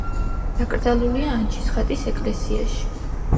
დაკრძალულია ანჩისხატის ეკლესიაში.